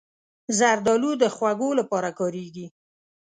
زردالو د خوږو لپاره کارېږي.